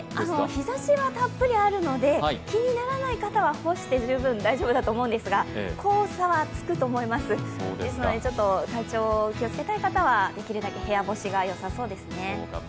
日ざしはたっぷりあるので、気にならない方は干して大丈夫だと思いますが黄砂はつくと思いますので、体調気をつけたい方はできるだけ部屋干しがよさそうですね。